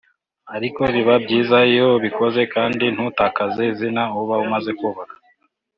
ariko biba byiza iyo ubikoze kandi ntutakaze izina uba umaze kubaka